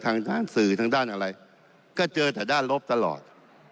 สื่อทางด้านอะไรก็เจอแต่ด้านลบตลอด